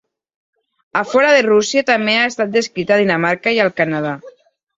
A fora de Rússia també ha estat descrita a Dinamarca i al Canadà.